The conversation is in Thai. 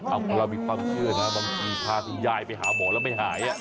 เอ้าเราต้องมีความเชื่อนะบางทีถ้ายายไปหาหมอแล้วไม่หาย